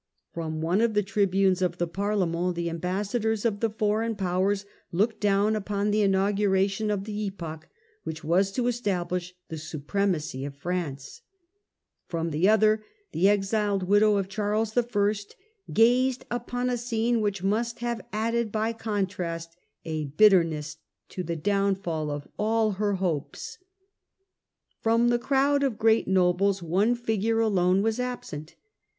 From one of the tribunes of the Parlement the ambassa dors of the foreign powers looked down upon the inaugu ration of the epoch which was to establish the supremacy of France ; from the other the exiled widow of Charles I. gazed upon a scene which must have added by contrast a bitterness to the downfall of all her hopes. From the 1651. Condi at Bordeaux. 63 crowd of great nobles one figure alone was absent.